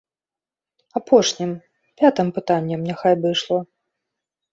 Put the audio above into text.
Апошнім, пятым пытаннем няхай бы ішло.